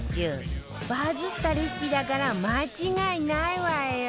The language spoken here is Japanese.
バズったレシピだから間違いないわよ！